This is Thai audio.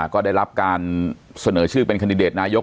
ก็ได้รับการเสนอชื่อเป็นคันดิเดตนายก